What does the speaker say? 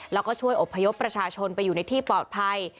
แล้วก็ช่วยอบพยพประชาชนไปอยู่ในที่ปลอดภัย